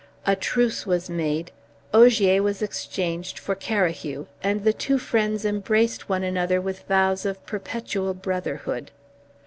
A truce was made; Ogier was exchanged for Carahue, and the two friends embraced one another with vows of perpetual brotherhood.